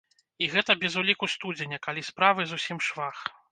І гэта без уліку студзеня, калі справы зусім швах!